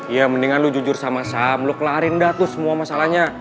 ya mendingan lu jujur sama saham lu kelarin dah tuh semua masalahnya